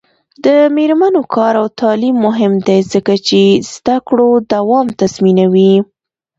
د میرمنو کار او تعلیم مهم دی ځکه چې زدکړو دوام تضمینوي.